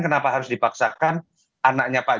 kenapa harus dipaksakan anaknya pak